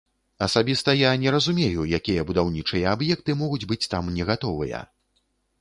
Асабіста я не разумею, якія будаўнічыя аб'екты могуць быць там не гатовыя.